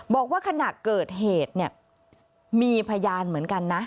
บอกว่าขณะเกิดเหตุเนี่ยมีพยานเหมือนกันนะ